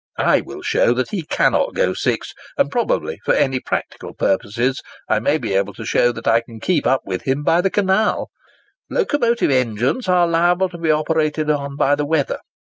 I will show he cannot go 6; and probably, for any practical purposes, I may be able to show that I can keep up with him by the canal. ... Locomotive engines are liable to be operated upon by the weather.